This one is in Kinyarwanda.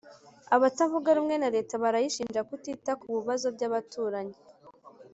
Abatavuga rumwe na Leta barayishinja kutita kububazo byabaturanyi